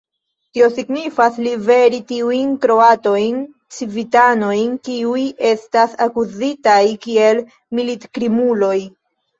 Tio signifas: liveri tiujn kroatajn civitanojn, kiuj estas akuzitaj kiel militkrimuloj.